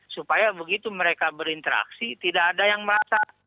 supaya begitu mereka berinteraksi tidak ada yang merasa